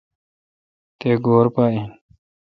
تہ گور پہ این۔